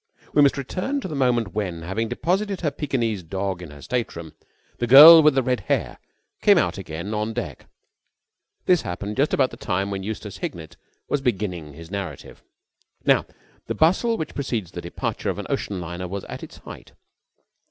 We must return to the moment when, having deposited her Pekinese dog in her state room, the girl with the red hair came out again on deck. This happened just about the time when Eustace Hignett was beginning his narrative. By now the bustle which precedes the departure of an ocean liner was at its height.